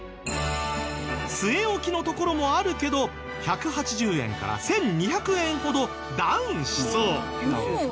据え置きのところもあるけど１８０円から１２００円ほどダウンしそう！